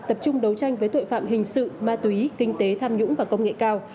tập trung đấu tranh với tội phạm hình sự ma túy kinh tế tham nhũng và công nghệ cao